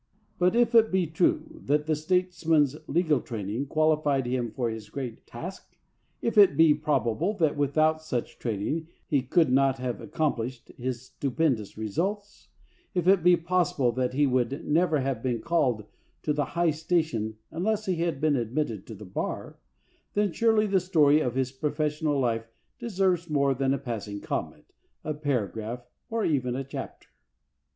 But if it be true that the statesman's legal training qualified him for his great task; if it be probable that without such training he could not have accomplished his stupendous results ; if it be xv FOREWORD possible that he would never have been called to his high station unless he had been admitted to the bar— then surely the story of his professional life deserves more than a passing comment, a paragraph, or even a chapter.